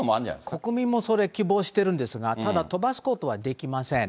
国民もそれ、希望してるんですが、ただ飛ばすことはできません。